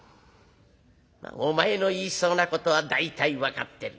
「お前の言いそうなことは大体分かってる。